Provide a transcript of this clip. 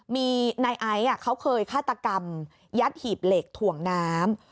มีนายไอซ์เขาเคยฆาตกรรมยัดหีบเหล็กถ่วงน้ำ